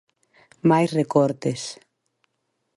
Máis recortes.